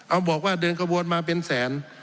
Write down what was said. เอาบอกว่าเดินกระบวนมาเป็นแสน